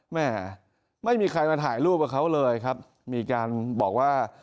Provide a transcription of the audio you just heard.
แม่ไม่มีใครมาถ่ายรูปกับเขาเลยครับมีการบอกว่า